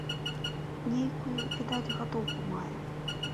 Нейкую, відаць, гатоўку мае.